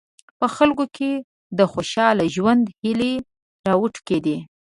په خلکو کې د خوشاله ژوند هیلې راوټوکېدې.